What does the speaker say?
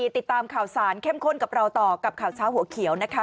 ติดตามข่าวสารเข้มข้นกับเราต่อกับข่าวเช้าหัวเขียวนะคะ